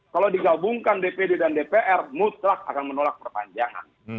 kalau digabungkan dpd dan dpr mutlak akan menolak perpanjangan